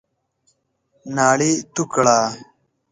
ناړي تو کړه !